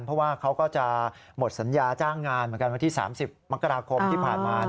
เพราะว่าเขาก็จะหมดสัญญาจ้างงานเหมือนกันวันที่๓๐มกราคมที่ผ่านมา